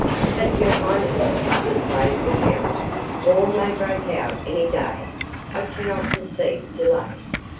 "But, your highness," complained the count, "war may break out any day. I cannot concede delay."